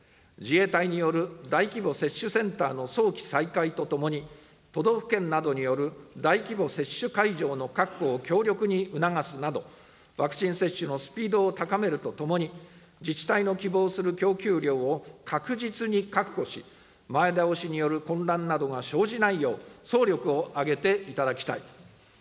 自衛隊による大規模接種センターの早期再開とともに、都道府県などによる大規模接種会場の確保を強力に促すなど、ワクチン接種のスピードを高めるとともに、自治体の希望する供給量を確実に確保し、前倒しによる混乱などが生じないよう、総力を挙げていただきたい。